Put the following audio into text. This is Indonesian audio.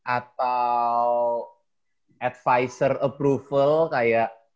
atau advisor approval kayak